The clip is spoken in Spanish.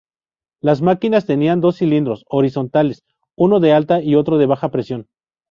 Las máquinas tenían dos cilindros horizontales, uno de alta y otro de baja presión.